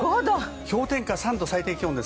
氷点下３度で最低気温です。